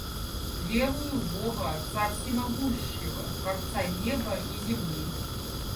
Верую в Бога, Отца всемогущего, Творца неба и земли.